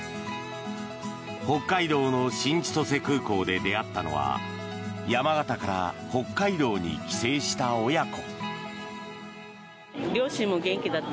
北海道の新千歳空港で出会ったのは山形から北海道に帰省した親子。